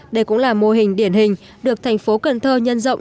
đây cũng là mô hình điển hình được thành phố cần thơ nhân rộng